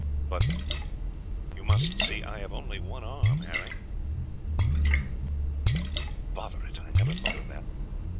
"But you see I have only one arm, Harry." "Bother it! I never thought of that.